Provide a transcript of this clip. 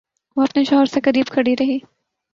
وہ اپنے شوہر سے قریب کھڑی رہی۔